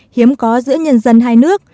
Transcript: hiếm có giữa nhân dân hai nước